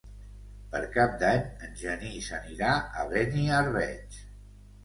Per Cap d'Any en Genís anirà a Beniarbeig.